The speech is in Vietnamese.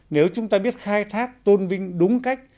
nếu chúng ta biết khai thác tôn vinh đúng cách